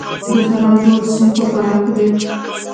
د فرا رود سیند په فراه کې دی